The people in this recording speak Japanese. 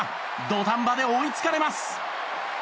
土壇場で追いつかれます。